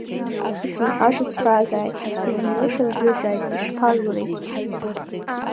Исымҳәаша сҳәазааит, изымҩыша зҩызааит, ишԥазури…